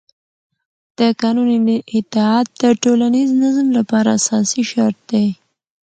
د قانون اطاعت د ټولنیز نظم لپاره اساسي شرط دی